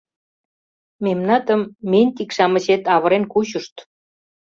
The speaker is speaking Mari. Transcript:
Мемнатым ментик-шамычет авырен кучышт.